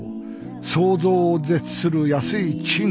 想像を絶する安い賃金。